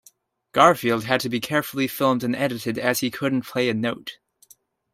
Garfield had to be carefully filmed and edited as he couldn't play a note.